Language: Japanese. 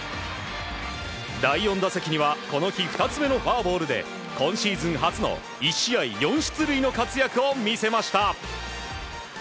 第４打席にはこの日２つ目のフォアボールで今シーズン初の１試合４出塁の活躍を見せました。